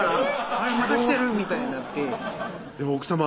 あれまた来てる！みたいになって奥さま